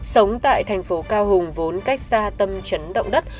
sống tại thành phố cao hùng vốn cách xa tâm trấn động đất